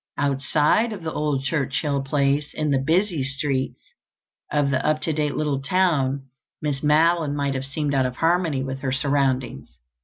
Outside of the old Churchill place, in the busy streets of the up to date little town, Miss Madeline might have seemed out of harmony with her surroundings.